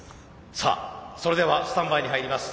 さあそれではスタンバイに入ります。